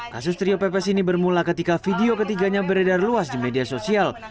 kasus trio pepes ini bermula ketika video ketiganya beredar luas di media sosial